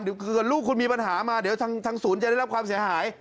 เดี๋ยวเกิดลูกคุณมีปัญหามาเดี๋ยวทางศูนย์จะได้รับความเสียหาย